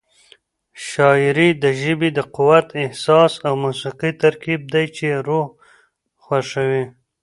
شاعري د ژبې د قوت، احساس او موسيقۍ ترکیب دی چې روح خوښوي.